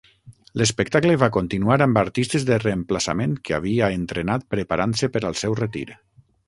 L'espectacle va continuar amb artistes de reemplaçament que havia entrenat preparant-se per al seu retir.